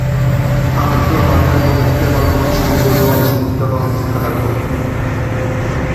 আজও হাজারো ভক্তের ভালোবাসা ও দোয়ায় সিক্ত হচ্ছে তার কবর।